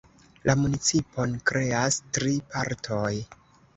La municipon kreas tri partoj.